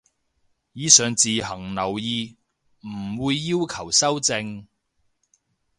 以上自行留意，唔會要求修正